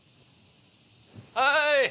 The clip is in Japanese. はい！